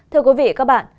thưa quý vị các bạn